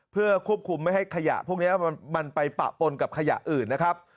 เพื่อควบคุมไม่ให้ขยะพวกนี้มันไปปะปนกับขยะอื่นนะครับ